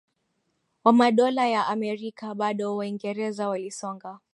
wa Madola ya Amerika Bado Waingereza walisonga